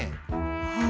はあ。